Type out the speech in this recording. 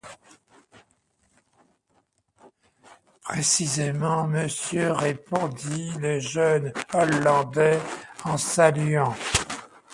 Précisément, monsieur, répondit le jeune Hollandais en saluant.